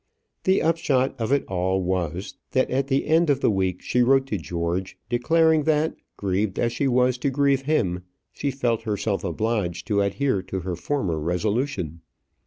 The upshot of it all was, that at the end of the week she wrote to George, declaring that, grieved as she was to grieve him, she felt herself obliged to adhere to her former resolution.